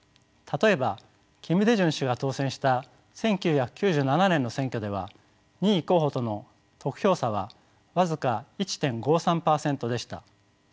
例えばキム・デジュン氏が当選した１９９７年の選挙では２位候補との得票差は僅か１．５３％でした。